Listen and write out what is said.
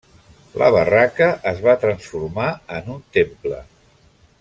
La barraca es va transformar en un temple.